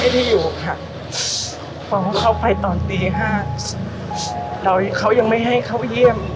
ที่อยู่ค่ะเพราะว่าเขาไปตอนตีห้าเราเขายังไม่ให้เข้าเยี่ยม